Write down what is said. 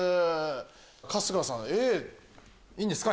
春日さんＡ？いいんですか？